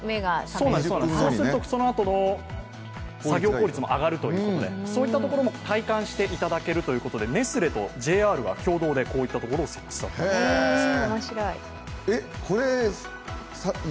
そうすると、そのあとの作業効率も上がるということでそういったところも体感していただけるということで、ネスレとＪＲが共同でこういったところを設置したそうです。